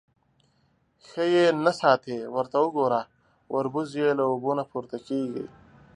_ښه يې نه ساتې. ورته وګوره، وربوز يې له اوبو نه پورته کېږي.